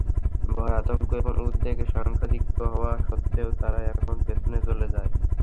ভয়-আতঙ্ক এবং উদ্বেগে সংখ্যাধিক্য হওয়া সত্ত্বেও তারা অনেক পেছনে চলে যায়।